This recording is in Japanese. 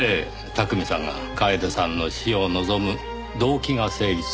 巧さんが楓さんの死を望む動機が成立する。